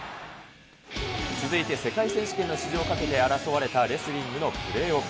続いて、世界選手権の出場をかけて争われた、レスリングのプレーオフ。